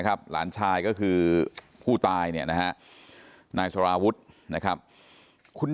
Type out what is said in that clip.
หลานชายก็คือผู้ตายเนี่ยนะฮะนายสารวุฒินะครับคุณ